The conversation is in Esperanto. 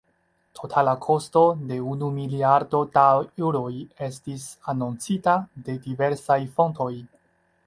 Totala kosto de unu miliardo da eŭroj estis anoncita de diversaj fontoj.